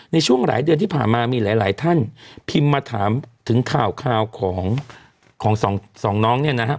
ในช่วงหลายเดือนที่ผ่านมามีหลายหลายท่านพิมพ์มาถามถึงข่าวของสองน้องเนี่ยนะฮะ